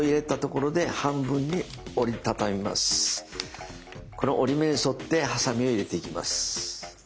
この折り目に沿ってはさみを入れていきます。